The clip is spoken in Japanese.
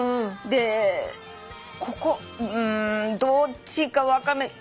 でうんどっちか分かんない。